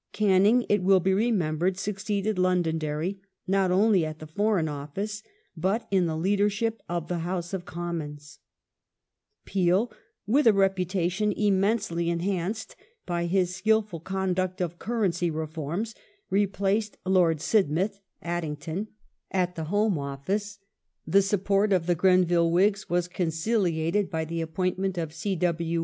Canning, it will be re membered, succeeded Londonderry not only at the Foreign Office, but in the leadership of the House of X'oninions ; l*eel, with a re putation immensely enhanced by his skilful conduct of cun'ency reforms, replaced Lord Sidmouth (Addington) at the Home 1830] REASONS FOR REFORMING ACTIVITY 67 Office ; the support of the Grenville Whigs was conciliated by the appointment of C. W.